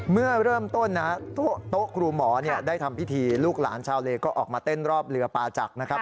เมื่อเริ่มต้นนะโต๊ะครูหมอได้ทำพิธีลูกหลานชาวเลก็ออกมาเต้นรอบเรือปาจักรนะครับ